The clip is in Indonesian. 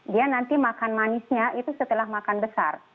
dia nanti makan manisnya itu setelah makan besar